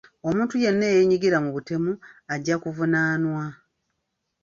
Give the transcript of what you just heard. Omuntu yenna eyenyigira mu butemu ajja kuvunaanwa.